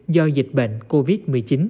do dịch bệnh covid một mươi chín